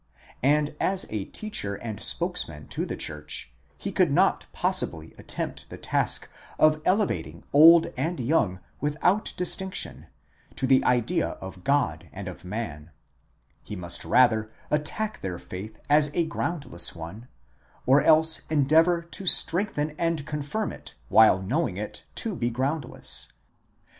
And as a teacher and spokesman to the church, he could not possibly attempt the task of elevating old and young, without distinction, to the idea of God and of man: he must rather attack their faith as a groundless one, or else endeavour to strengthen and confirm it while knowing it to be groundless.